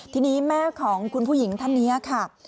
ทีนี้แม่ของคุณผู้หญิงท่านนี้ค่ะ